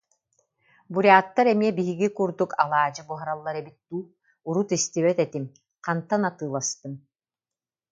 Буряттар эмиэ биһиги курдук алаадьы буһараллар эбит дуу, урут истибэт этим, хантан атыыластыҥ